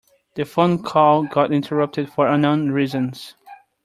The phone call got interrupted for unknown reasons.